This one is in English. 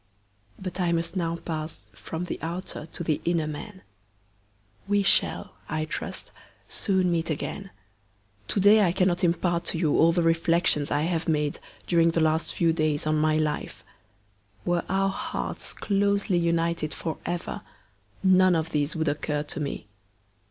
But I must now pass from the outer to the inner man. We shall, I trust, soon meet again; to day I cannot impart to you all the reflections I have made, during the last few days, on my life; were our hearts closely united forever, none of these would occur to me.